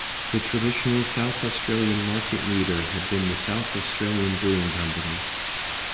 The traditional South Australian market leader had been the South Australian Brewing Company.